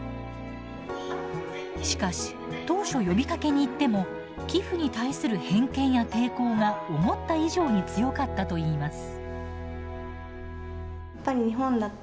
しかし当初呼びかけに行っても寄付に対する偏見や抵抗が思った以上に強かったといいます。